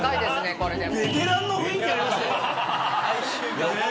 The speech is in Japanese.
これでも。